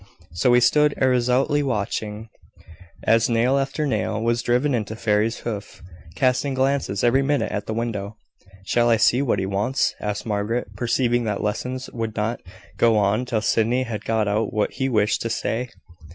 So he stood irresolutely watching, as nail after nail was driven into Fairy's hoof, casting glances every minute at the window. "Shall I see what he wants?" asked Margaret, perceiving that lessons would not go on till Sydney had got out what he wished to say.